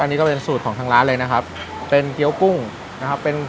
อันนี้ก็เป็นสูตรของทางร้านเลยนะครับเป็นเกี้ยวกุ้งนะครับเป็น